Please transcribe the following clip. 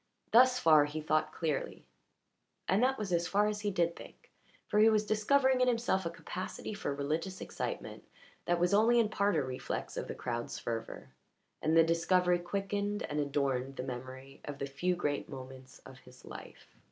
Thus far he thought clearly, and that was as far as he did think, for he was discovering in himself a capacity for religious excitement that was only in part a reflex of the crowd's fervour, and the discovery quickened and adorned the memory of the few great moments of his life.